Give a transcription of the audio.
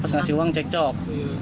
pasukan uang cekcok